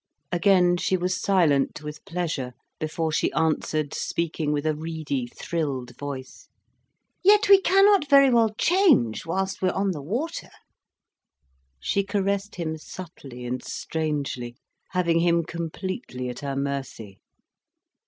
Again she was silent with pleasure, before she answered, speaking with a reedy, thrilled voice: "Yet we cannot very well change, whilst we are on the water." She caressed him subtly and strangely, having him completely at her mercy.